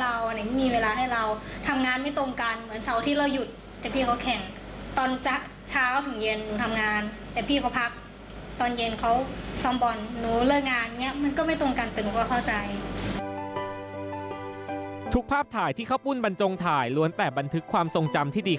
และรู้สึกกันกับผู้สังใจที่ได้